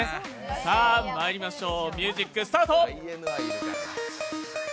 さあ、まいりましょう、ミュージックスタート！